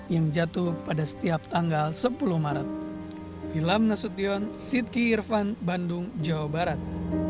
yang jatuh pada setiap tanggal sepuluh maret